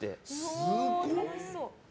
すごっ。